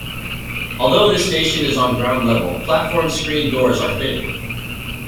Although this station is on ground level, platform screen doors are fitted.